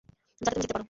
যাতে তুমি জিততে পারো?